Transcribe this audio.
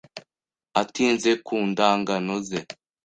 Atinze ku ndagano ze